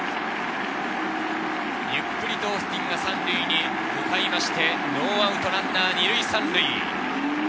ゆっくりオースティンが３塁に向かってノーアウトランナー２塁３塁。